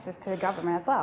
kepada pemerintah juga